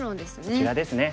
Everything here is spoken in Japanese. こちらですね。